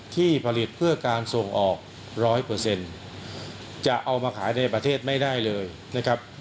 ที่ผลิตเพื่อการส่งออกร้อยเปอร์เซ็นต์จะเอามาขายในประเทศไม่ได้เลยนะครับ